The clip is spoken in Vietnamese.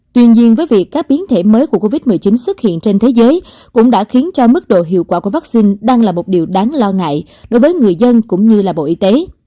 tuy nhiên với việc các biến thể mới của covid một mươi chín xuất hiện trên thế giới cũng đã khiến cho mức độ hiệu quả của vaccine đang là một điều đáng lo ngại đối với người dân cũng như bộ y tế